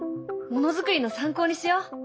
ものづくりの参考にしよう。